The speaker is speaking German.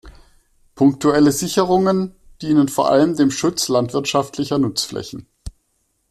Punktuelle Sicherungen dienen vor allem dem Schutz landwirtschaftlicher Nutzflächen.